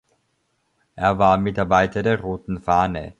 Er war Mitarbeiter der "Roten Fahne.